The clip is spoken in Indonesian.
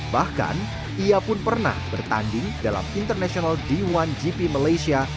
bahkan ia pun pernah bertanding dalam international d satu gp malaysia